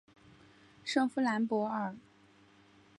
圣夫兰博尔。